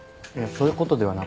そういうことではなくて。